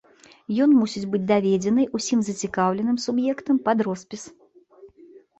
Ён мусіць быць даведзены ўсім зацікаўленым суб'ектам пад роспіс.